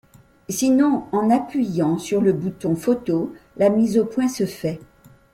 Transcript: Sinon, en appuyant sur le bouton photo, la mise au point se fait.